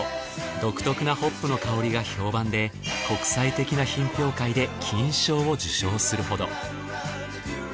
独特なホップの香りが評判で国際的な品評会で金賞を受賞するほど。